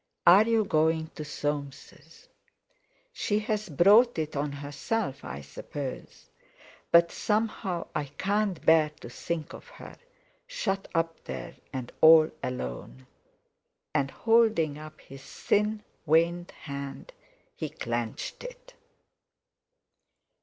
Are you going to Soames'? She's brought it on herself, I suppose; but somehow I can't bear to think of her, shut up there—and all alone." And holding up his thin, veined hand, he clenched it.